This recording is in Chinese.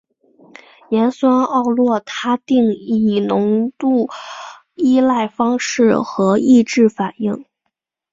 盐酸奥洛他定以浓度依赖方式抑制反应。